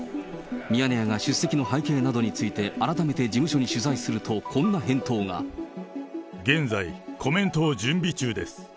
ミヤネ屋が出席の背景などについて、改めて事務所に取材すると、現在、コメントを準備中です。